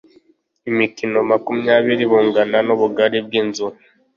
imikono makumyabiri bungana n ubugari bw inzu